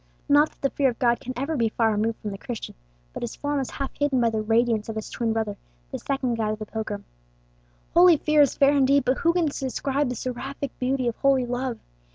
Not that the fear of God can ever be far removed from the Christian, but his form is half hidden by the radiance of his twin brother, the second guide of the pilgrim. Holy fear is fair indeed, but who can describe the seraphic beauty of holy love!